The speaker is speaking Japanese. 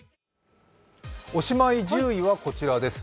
おしまい１０位はこちらです。